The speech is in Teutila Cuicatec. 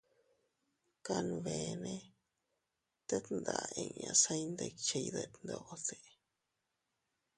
Kanbene tet nda inña se iyndikchiy detndote.